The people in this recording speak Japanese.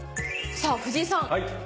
さぁ藤井さん。